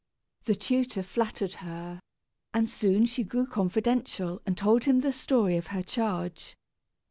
The tutor flattered her, and soon she grew confidential and told him the story of her charge.